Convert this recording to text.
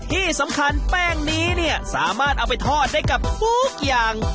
ที่สำคัญแป้งนี้เนี่ยสามารถเอาไปทอดได้กับทุกอย่าง